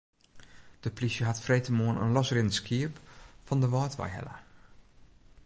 De plysje hat freedtemoarn in losrinnend skiep fan de Wâldwei helle.